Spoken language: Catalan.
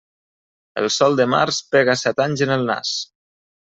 El sol de març pega set anys en el nas.